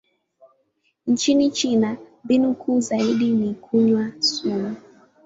Nchini Uchina, mbinu kuu zaidi ni kunywa sumu.